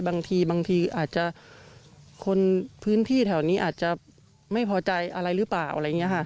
บางทีบางทีอาจจะคนพื้นที่แถวนี้อาจจะไม่พอใจอะไรหรือเปล่าอะไรอย่างนี้ค่ะ